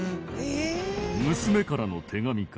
娘からの手紙か。